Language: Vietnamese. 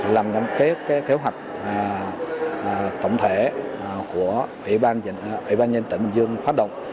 làm kế hoạch tổng thể của ủy ban dân tỉnh bình dương phát động